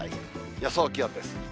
予想気温です。